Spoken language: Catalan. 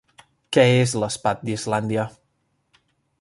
Què és l'espat d'Islàndia?